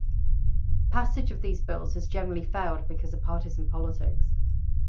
Passage of these bills has generally failed because of partisan politics.